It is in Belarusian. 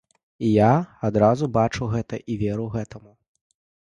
І я адразу бачу гэта і веру гэтаму.